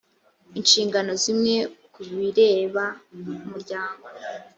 inshingano zimwe ku bireba umuryango